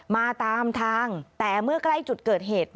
มาตามทางแต่เมื่อใกล้จุดเกิดเหตุ